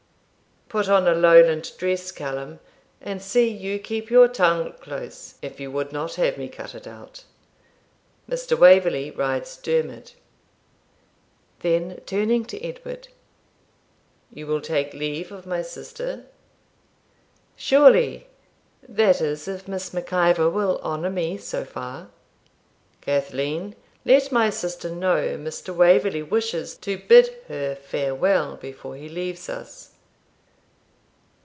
Put on a Lowland dress, Callum, and see you keep your tongue close, if you would not have me cut it out. Mr. Waverley rides Dermid.' Then turning to Edward, 'You will take leave of my sister?' 'Surely that is, if Miss Mac Ivor will honour me so far.' 'Cathleen, let my sister know Mr. Waverley wishes to bid her farewell before he leaves us.